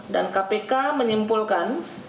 dan kpk menyimpulkan